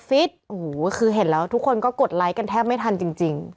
ฟิตโอ้โหคือเห็นแล้วทุกคนก็กดไลค์กันแทบไม่ทันจริง